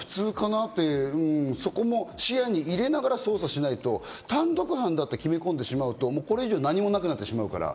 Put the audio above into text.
そこも視野に入れながら捜査しないと、単独犯だって決め込んでしまうと、これ以上何もなくなってしまうから。